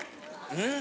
うん。